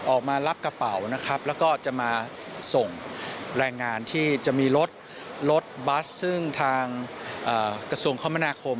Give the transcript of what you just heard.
ออกมารับกระเป๋านะครับแล้วก็จะมาส่งแรงงานที่จะมีรถรถบัสซึ่งทางกระทรวงคมนาคม